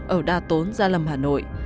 ở đa tốn gia lâm hà nội